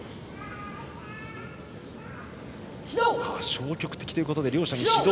消極的ということで両者、指導。